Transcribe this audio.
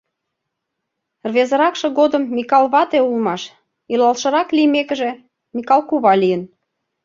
Рвезыракше годым Микал вате улмаш, илалшырак лиймекыже, Микал кува лийын.